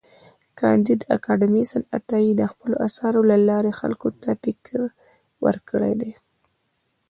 کانديد اکاډميسن عطايي د خپلو اثارو له لارې خلکو ته فکر ورکړی دی.